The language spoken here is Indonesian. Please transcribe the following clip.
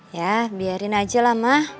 ya biarin aja lah ma